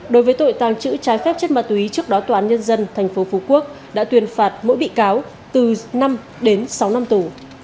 đối với tội tàng trữ trái phép chất ma túy trước đó tòa án nhân dân tp phú quốc đã tuyên phạt mỗi bị cáo từ năm đến sáu năm tù